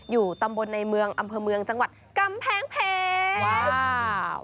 อยู่ตำบลในเมืองอำเภอเมืองจังหวัดกำแพงเพชร